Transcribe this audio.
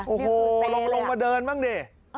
โอ้โหลงมาเดินบ้างดิ